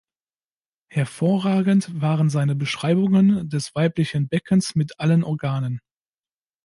Hervorragend waren seine Beschreibungen des weiblichen Beckens mit allen Organen.